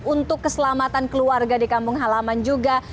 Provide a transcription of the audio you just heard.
untuk keselamatan keluarga di kampung halaman juga